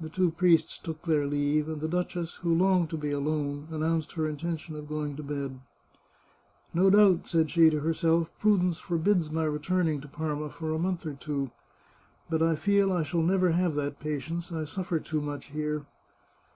The two priests took their leave, and the duchess, who longed to be alone, announced her intention of going to bed. " No doubt," said she to herself, " prudence forbids my returning to Parma for a month or two. But I feel I shall never have that patience ; I suffer too much here.